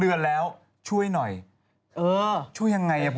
สนุนโดยดีที่สุดคือการให้ไม่สิ้นสุด